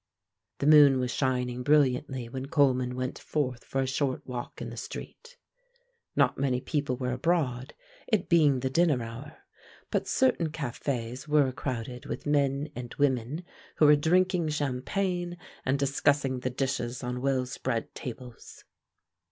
The moon was shining brilliantly when Coleman went forth for a short walk in the street. Not many people were abroad, it being the dinner hour, but certain cafés were crowded with men and women who were drinking champagne and discussing the dishes on well spread tables.